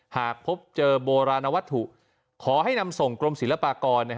หากพบเจอโบราณวัตถุขอให้นำส่งกรมศิลปากร